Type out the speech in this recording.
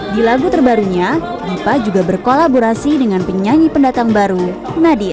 di lagu terbarunya diva juga berkolaborasi dengan penyanyi pendatang baru nadiem